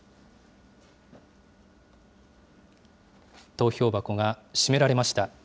投票箱が閉められました。